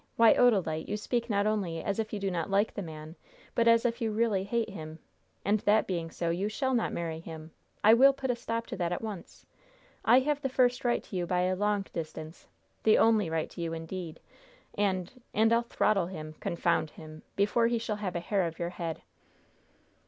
Why, Odalite, you speak not only as if you do not like the man, but as if you really hate him; and that being so, you shall not marry him! I will put a stop to that at once! I have the first right to you by a long distance the only right to you, indeed and and I'll throttle him confound him! before he shall have a hair of your head!"